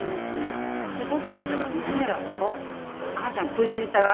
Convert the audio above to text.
それパッと見たら娘が「おっ母ちゃん食いついたな」